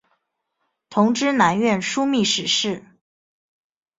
同知南院枢密使事。